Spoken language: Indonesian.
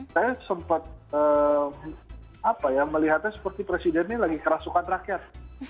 saya sempat melihatnya seperti presiden ini lagi kerasukan rakyat